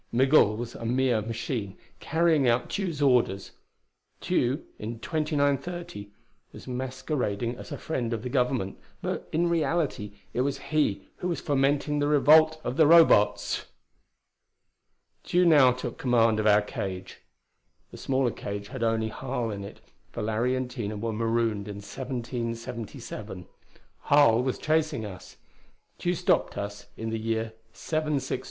Migul was a mere machine carrying out Tugh's orders. Tugh, in 2930, was masquerading as a friend of the Government; but in reality it was he who was fomenting the revolt of the Robots. Tugh now took command of our cage. The smaller cage had only Harl in it now, for Larry and Tina were marooned in 1777. Harl was chasing us. Tugh stopped us in the year 762 A.D.